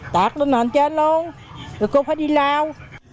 tạc lên nền trên luôn rồi cô phải đi lao